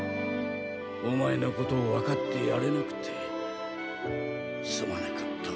おまえのことをわかってやれなくてすまなかった。